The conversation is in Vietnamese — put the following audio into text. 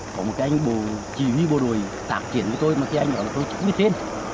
có một anh bộ chỉ huy bộ đội tạc triển với tôi mà anh ấy nói là tôi chú ý tên